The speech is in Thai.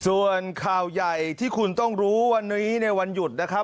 ส่วนข่าวใหญ่ที่คุณต้องรู้วันนี้ในวันหยุดนะครับ